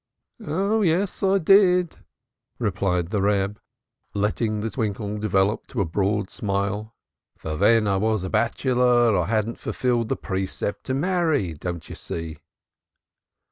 "Oh yes, I did," replied the Reb, letting the twinkle develop to a broad smile, "for when I was a bachelor I hadn't fulfilled the precept to marry, don't you see?"